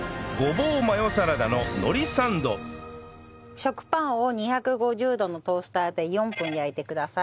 食パンを２５０度のトースターで４分焼いてください。